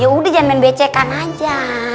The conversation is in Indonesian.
ya udah jangan main becekan aja